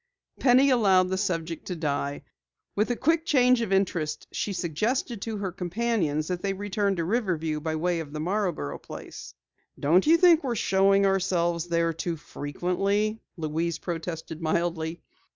Penny allowed the subject to die. With a quick change of interest, she suggested to her companions that they return to Riverview by way of the Marborough place. "Don't you think we're showing ourselves there too frequently," Louise protested mildly.